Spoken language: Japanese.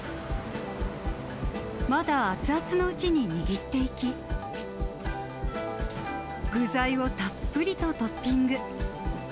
まだ熱々のうちに握っていき、具材をたっぷりとトッピング。